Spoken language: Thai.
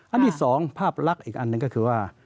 อันที่๒ภาพลักษณ์อีกอันหนึ่งก็คือว่า